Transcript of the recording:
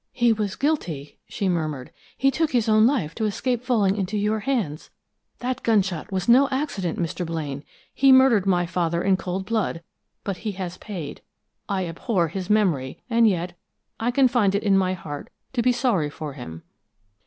"He was guilty!" she murmured. "He took his own life to escape falling into your hands! That gunshot was no accident, Mr. Blaine. He murdered my father in cold blood, but he has paid. I abhor his memory, and yet I can find it in my heart to be sorry for him!"